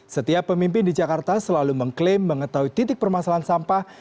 setiap pemimpin di jakarta selalu mengklaim mengetahui titik permasalahan sampah